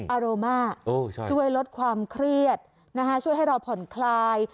อาโรมาช่วยลดความเครียดช่วยให้เราผ่อนคลาย